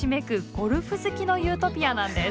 ゴルフ好きのユートピアなんです。